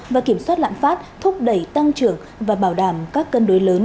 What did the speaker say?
và kiểm soát lạm phát thúc đẩy tăng trưởng và bảo đảm các cân đối lớn